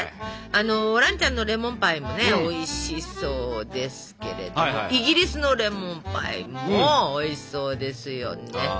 あの蘭ちゃんのレモンパイもねおいしそうですけれどイギリスのレモンパイもおいしそうですよね。